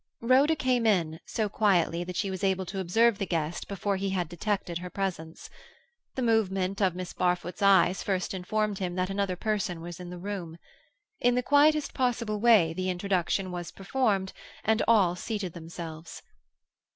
Rhoda came in, so quietly that she was able to observe the guest before he had detected her presence. The movement of Miss Barfoot's eyes first informed him that another person was in the room. In the quietest possible way the introduction was performed, and all seated themselves.